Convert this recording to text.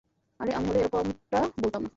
আরে, আমি হলে এরকমটা বলতাম না।